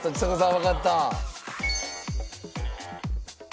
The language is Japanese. わかった。